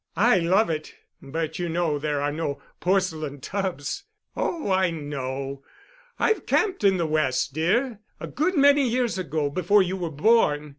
I love it. But you know there are no porcelain tubs——" "Oh, I know. I've camped in the West, dear, a good many years ago—before you were born.